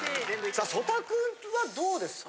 さあ曽田君はどうですか？